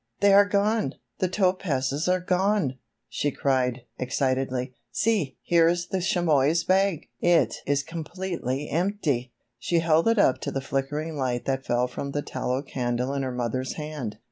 "They are gone! The topazes are gone!" she cried, excitedly. "See, here is the chamois bag! It is completely empty!" She held it up to the flickering light that fell from the tallow candle in her mother's hand.